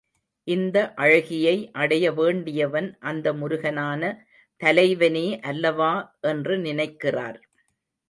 இந்த அழகியை அடைய வேண்டியவன் அந்த முருகனான தலைவனே அல்லவா என்று நினைக்கிறார்.